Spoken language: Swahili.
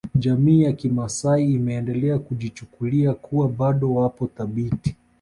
Jamii ya kimaasai imeendelea kujichukulia kuwa bado wapo thabiti